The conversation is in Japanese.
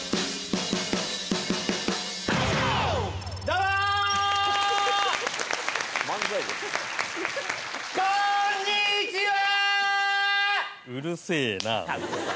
うるせえな。